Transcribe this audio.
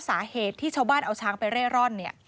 สาเหตุที่ชาวบ้านเอาช้างไปเร่ร่อนเนี่ย